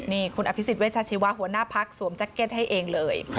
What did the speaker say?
นี่คุณอภิษฎเวชาชีวะหัวหน้าพักสวมแจ็คเก็ตให้เองเลย